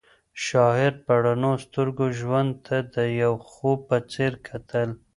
شاعر په رڼو سترګو ژوند ته د یو خوب په څېر کتل.